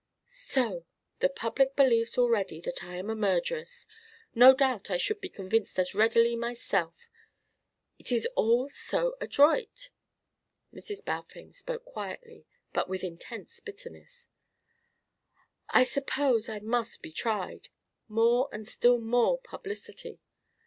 "So the public believes already that I am a murderess! No doubt I should be convinced as readily myself. It is all so adroit!" Mrs. Balfame spoke quietly but with intense bitterness. "I suppose I must be tried more and still more publicity.